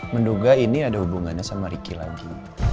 menduga ini ada hubungannya sama ricky lagi